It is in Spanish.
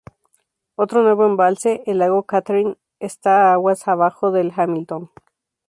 Otro nuevo embalse, el lago Catherine, está aguas abajo del de Hamilton.